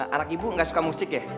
anak ibu gak suka musik ya